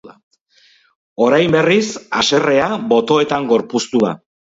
Orain berriz, haserrea botoetan gorpuztu da.